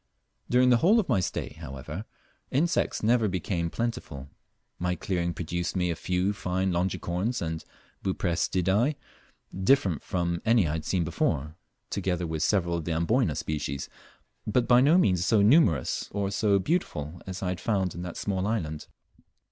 During the whole of my stay, however, insects never became plentiful. My clearing produced me a few fine, longicorns and Buprestidae, different from any I had before seen, together with several of the Amboyna species, but by no means so numerous or, so beautiful as I had found in that small island.